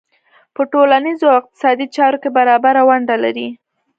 په ټولنیزو او اقتصادي چارو کې برابره ونډه لري.